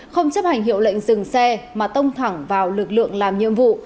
không chấp hành hiệu lệnh dừng xe mà tông thẳng vào lực lượng làm nhiệm vụ